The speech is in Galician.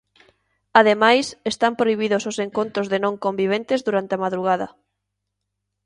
Ademais, están prohibidos os encontros de non conviventes durante a madrugada.